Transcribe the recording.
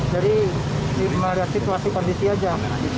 jadi ini cuma ada situasi kondisi aja